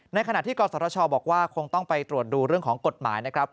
ในขณะที่กศชบอกว่าคงต้องไปตรวจดูเรื่องของกฎหมายนะครับ